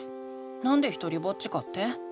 なんでひとりぼっちかって？